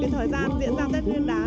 thời gian diễn ra tết nguyên đán